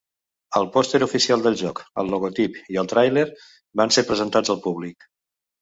El pòster oficial del joc, el logotip i el tràiler van ser presentats al públic.